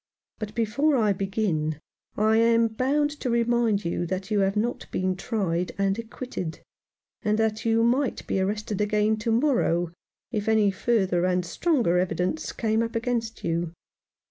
But before I begin I am bound to remind you that you have not been tried and acquitted — and that you might be arrested again to morrow if any further and stronger evidence came up against you.